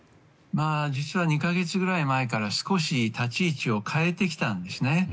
実は、２か月くらい前から少し立ち位置を変えてきたんですね。